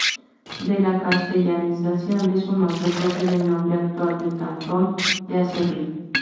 De la castellanización de su nombre procede el nombre actual del cantón de Aserrí.